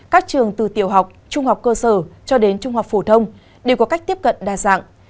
các trường từ tiểu học trung học cơ sở cho đến trung học phổ thông đều có cách tiếp cận đa dạng